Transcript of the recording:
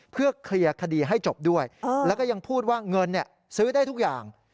เพื่อเคลียร์คดีให้จบด้วยแล้วก็ยังพูดว่าเงินซื้อได้ทุกอย่าง